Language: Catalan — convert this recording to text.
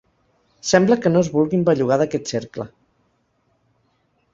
Sembla que no es vulguin bellugar d’aquest cercle.